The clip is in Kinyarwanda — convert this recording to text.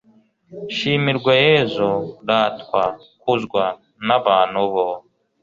shimirwa yezu, ratwa kuzwa n''abantu bo